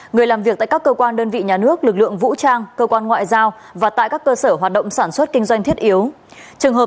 người làm việc tại các cơ quan đơn vị nhà nước lực lượng vũ trang cơ quan ngoại giao